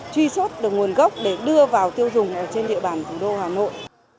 truy xuất được nguồn gốc để đưa vào tiêu dùng trên địa bàn thủ đô hà nội